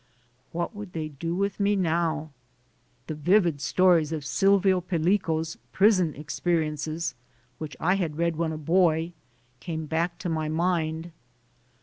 What would they do with me now ? The vivid stories of Silvio Pellico's prison experiences, which I had read when a boy, came back to my mind.